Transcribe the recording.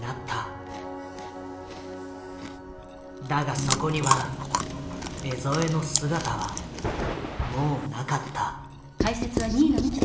だがそこには江副の姿はもうなかった。